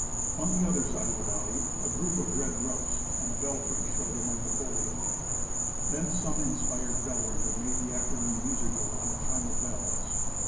On the other side of the valley a group of red roofs and a belfry showed among the foliage. Thence some inspired bell ringer made the afternoon musical on a chime of bells.